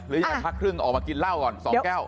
ยังพักครึ่งออกมากินเหล้าก่อน๒แก้ว